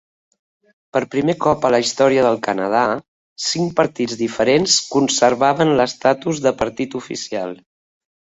Per primer cop a la història del Canadà, cinc partits diferents conservaven l'estatus de partit oficial.